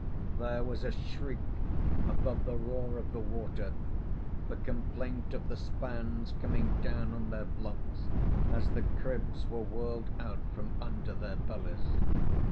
There was a shriek above the roar of the water, the complaint of the spans coming down on their blocks as the cribs were whirled out from under their bellies.